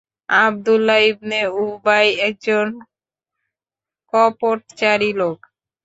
Abdullah ibn Ubayy একজন কপটচারী লোক।